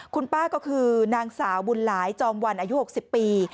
คุณป้าก็คือนางสาวบุญหลายจอมวันอายุ๖๐ปี